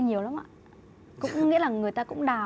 nỗ lực hơn nữa